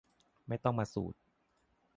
ไม่ต้องมาสูตร